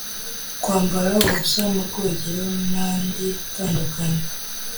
kwambara ubusa mu rwogero n’andi atandukanye